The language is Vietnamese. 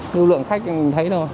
như lượng khách mình thấy đâu